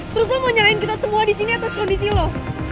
terus lu mau nyalain kita semua disini atas kondisi lu